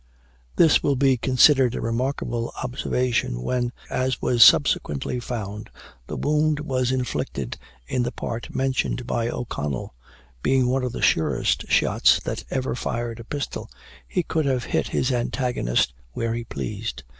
This will be considered a remarkable observation when, as was subsequently found, the wound was inflicted in the part mentioned by O'Connell. Being one of the surest shots that ever fired a pistol, he could have hit his antagonist where he pleased.